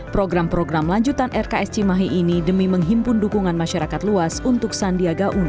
program program lanjutan rks cimahi ini demi menghimpun dukungan masyarakat luas untuk sandiaga uno